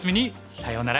さようなら。